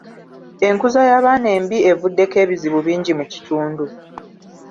Enkuza y'abaana embi evuddeko ebizibu bingi mu kitundu?